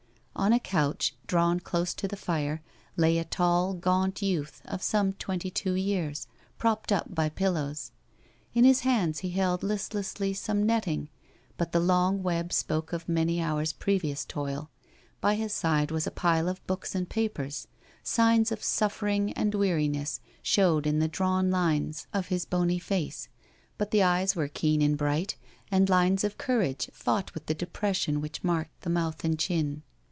On a couch drawn close to the fire lay a tall, gaunt youth of some twenty two years, propped up by pillows. In his hands he held listlessly some netting, but the long web spoke of many hours previous toil. By his side was a pile of books and papers. Signs of suffer ing and weariness showed in the drawn lines of his IN THE BLACK COUNTRY j bony face, but the eyes were keen and bright, and lines of courage fought with the depression which marked the mouth and chin.